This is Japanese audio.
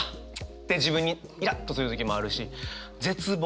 って自分にイラッとする時もあるし絶望。